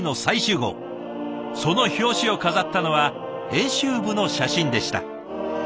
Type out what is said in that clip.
その表紙を飾ったのは編集部の写真でした。